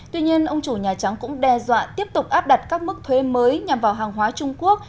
tuy nhiên ông chủ nhà trắng cũng đe dọa tiếp tục áp đặt các mức thuế mới nhằm vào hàng hóa trung quốc